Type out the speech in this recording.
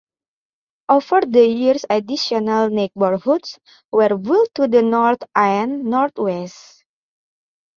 Over the years additional neighborhoods were built to the north and northwest.